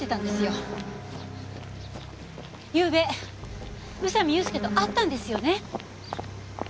ゆうべ宇佐美祐介と会ったんですよね？